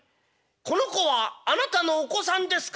「この子はあなたのお子さんですか？」。